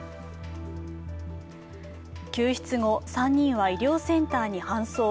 救出後、３人は医療センターに搬送。